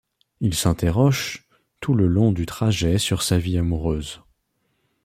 Il s'interroge tout le long du trajet sur sa vie amoureuse.